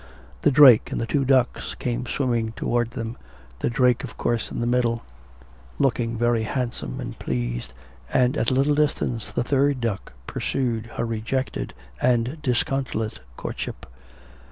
The drake and the two ducks came swimming towards them the drake, of course, in the middle, looking very handsome and pleased, and at a little distance the third duck pursued her rejected and disconsolate courtship.